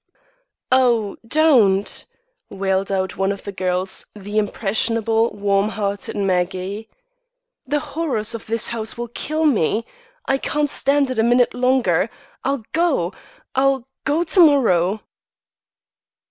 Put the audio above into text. "Oh! don't!" wailed out one of the girls, the impressionable, warm hearted Maggie. "The horrors of this house'll kill me. I can't stand it a minute longer. I'll go I'll go to morrow."